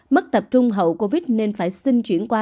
mất tập trung hậu covid nên phải xin chuyển qua